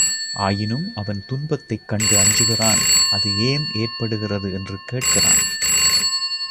ஆயினும், அவன் துன்பத்தைக் கண்டு அஞ்சுகிறான் அது ஏன் ஏற்படுகிறது என்று கேட்கிறான்.